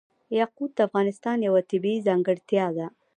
یاقوت د افغانستان یوه طبیعي ځانګړتیا ده.